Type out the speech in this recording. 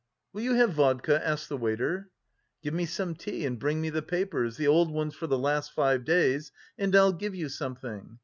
"Will you have vodka?" asked the waiter. "Give me some tea and bring me the papers, the old ones for the last five days, and I'll give you something."